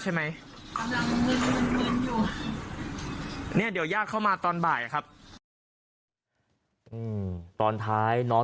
ใช่ไหมเนี้ยเดี๋ยวย่าเข้ามาตอนบ่ายครับอืมตอนท้ายน้อง